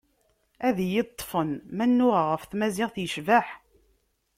Ad iyi-ṭfen ma nnuɣeɣ ɣef tmaziɣt yecbeḥ.